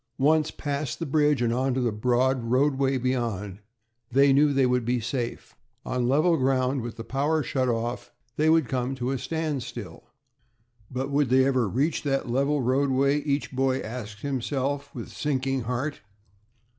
Once past the bridge and onto the broad roadway beyond, they knew that they would be safe. On level ground, with the power shut off, they would come to a standstill. But "would they ever reach that level roadway?" each boy asked himself, with sinking heart.